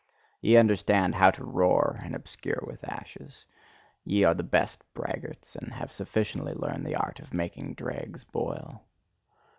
Ye understand how to roar and obscure with ashes! Ye are the best braggarts, and have sufficiently learned the art of making dregs boil.